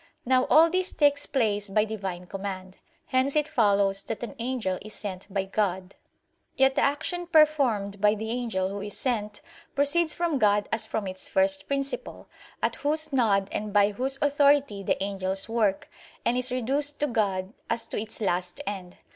Now all this takes place by Divine command. Hence it follows that an angel is sent by God. Yet the action performed by the angel who is sent, proceeds from God as from its first principle, at Whose nod and by Whose authority the angels work; and is reduced to God as to its last end.